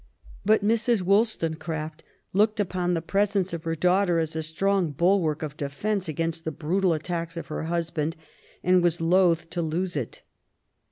But Mrs. CHILDHOOD AND EABLY YOUTH. 17 WoUstonecraft looked upon the presence of her daughter as a strong bulwark of defence against the brutal attacks of her husband^ and was loath to lose it.